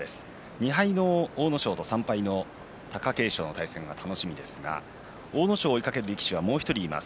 ２敗の阿武咲と３敗の貴景勝の対戦が楽しみですが阿武咲を追いかける力士がもう１人います。